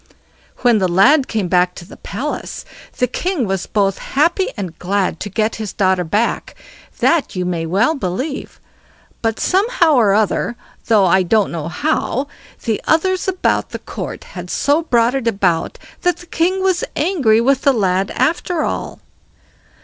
When the lad came back to the palace, the king was both happy and glad to get his daughter back; that you may well believe; but somehow or other, though I don't know how, the others about the court had so brought it about that the king was angry with the lad after all.